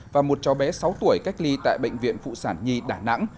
và một cháu bé sáu tuổi cách ly tại bệnh viện phụ sản nhi đà nẵng